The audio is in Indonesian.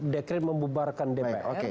dekret membubarkan dpr